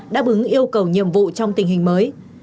đã bứng yêu cầu nhiệm vụ trong tình hình mới